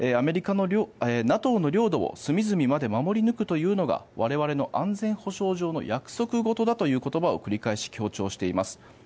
ただ、ＮＡＴＯの領土を隅々まで守り抜くというのが我々の安全保障上の約束事だという言葉を繰り返し強調しています。